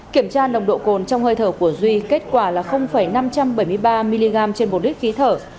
kiểm tra nồng độ cồn trong hơi thở của duy kết quả là năm trăm bảy mươi ba mg trên một lít khí thở